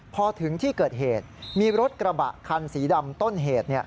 พอถึงที่เกิดเหตุมีรถกระบะคันสีดำต้นเหตุ